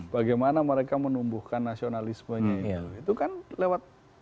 bagaimana mereka menumbuhkan nasionalismenya itu kan lewat